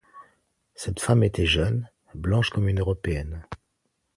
Cette femme était jeune, blanche comme une Européenne.